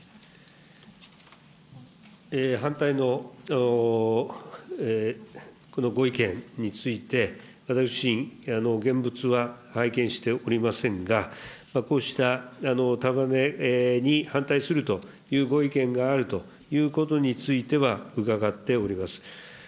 反対のこのご意見について、私自身、現物は拝見しておりませんが、こうした束ねに反対するというご意見があるということについては、伺っております。